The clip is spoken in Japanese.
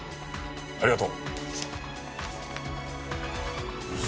ありがとう。